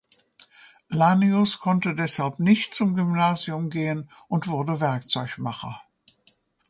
Lanius konnte deshalb nicht zum Gymnasium gehen und wurde Werkzeugmacher.